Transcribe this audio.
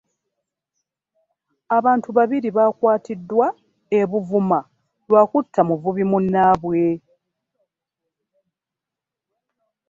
Abantu babiri bakwatiddwa e Buvuma lwa kutta muvubi munnaabwe